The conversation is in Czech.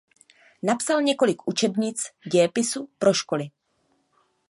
Napsal několik učebnic dějepisu pro školy.